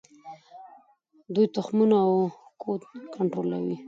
دوی تخمونه او کود کنټرولوي.